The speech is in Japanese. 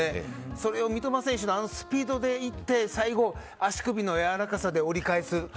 それを三笘選手のあのスピードでいって最後、足首のやわらかさで折り返す。